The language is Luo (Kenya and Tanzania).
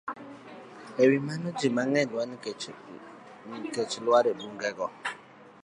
E wi mano, ji mang'eny tho nikech lwar e bugego